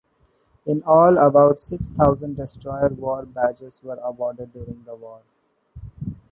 In all, about six thousand Destroyer War Badges were awarded during the war.